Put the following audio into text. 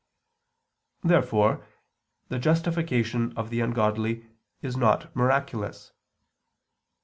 Therefore the justification of the ungodly is not miraculous.